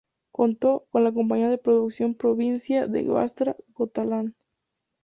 Contó con la compañía de producción "Provincia de Västra Götaland".